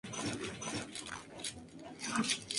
Parks sucumbiendo a las esporas.